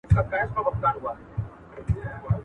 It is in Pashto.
چي هوس و، نو دي بس و.